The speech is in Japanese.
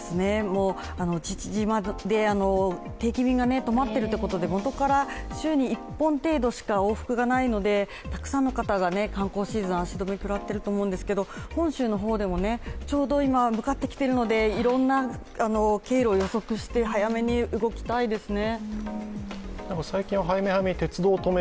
父島で定期便が止まっているということでもとから週に１本程度しか往復がないので、たくさんの方が観光シーズン足止めを食らっていると思いますけれども本州の方でもちょうど今、向かってきているので、いろんな経路を予測して早めに動きたいですね。